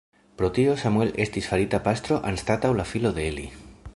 Pro tio, Samuel estis farita pastro anstataŭ la filoj de Eli.